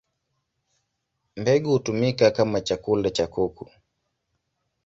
Mbegu hutumika kama chakula cha kuku.